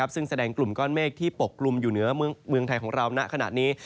ซึ่งแสดงกลุ่มก้อนเมฆที่ปกกลุ่มอยู่เหนือเมืองไทยของเราณขณะนี้